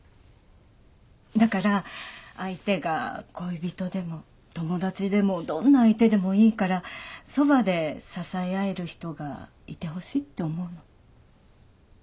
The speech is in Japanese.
だから相手が恋人でも友達でもどんな相手でもいいからそばで支え合える人がいてほしいって思うの。